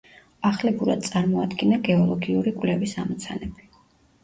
ახლებურად წარმოადგინა გეოლოგიური კვლევის ამოცანები.